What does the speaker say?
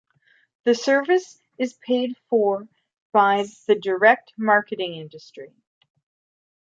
The service is paid for by the direct marketing industry.